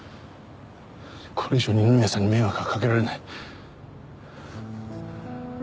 これ以上二宮さんに迷惑はかけられない。